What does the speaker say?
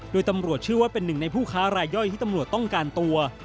โดยตำรวจเชื่อว่าเป็นหนึ่งในผู้ค้ารายย่อยที่ตำรวจต้องการตัว